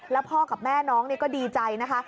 แล้วพ่อกับแม่น้องก็ดีใจนะคะ